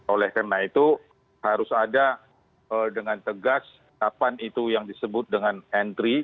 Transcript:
oleh karena itu harus ada dengan tegas kapan itu yang disebut dengan entry